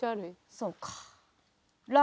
そうか。